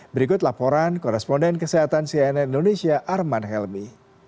berikut laporan koresponden kesehatan cnn indonesia arman helmi